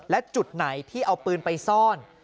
และจุดไหนที่เอาปืนไปซ่อน